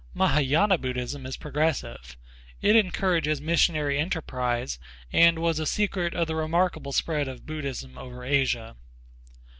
Mahâyâna Buddhism is progressive. It encourages missionary enterprise and was a secret of the remarkable spread of Buddhism over Asia.